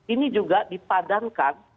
ini juga dipadankan